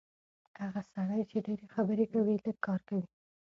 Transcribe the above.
هغه سړی چې ډېرې خبرې کوي، لږ کار کوي.